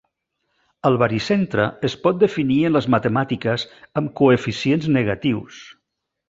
El baricentre es pot definir en les matemàtiques amb coeficients negatius.